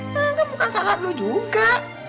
nah kan bukan salah lu juga